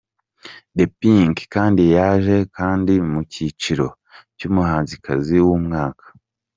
The Pink kandi yaje kandi mu cyiciro cy'umuhanzikazi w'umwaka.